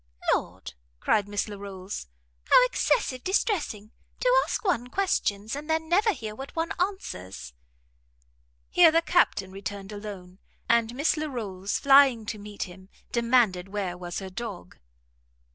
"Lord," cried Miss Larolles, "how excessive distressing! to ask one questions, and then never hear what one answers!" Here the Captain returned alone; and Miss Larolles, flying to meet him, demanded where was her dog?